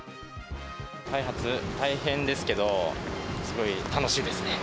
開発、大変ですけど、すごい楽しいですね。